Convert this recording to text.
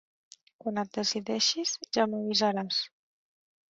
Quan et decideixis, ja m'avisaràs.